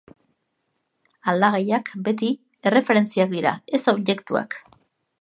Aldagaiak beti erreferentziak dira, ez objektuak.